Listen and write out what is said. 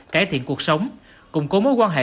cải thiện cuộc sống củng cố mối quan hệ